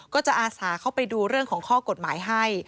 ก็จะอาสาเข้าไปดูเรื่องของข้อกฎหมายให้